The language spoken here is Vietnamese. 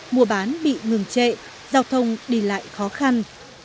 mùa bán bị ngừng trệ giao thông đi lại khó khăn